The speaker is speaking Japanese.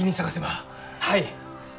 はい！